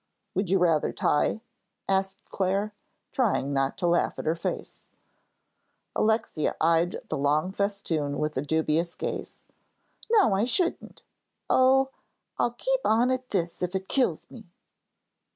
"Would you rather tie?" asked Clare, trying not to laugh at her face. Alexia eyed the long festoon with a dubious gaze. "No, I shouldn't. Oh, I'll keep on at this if it kills me."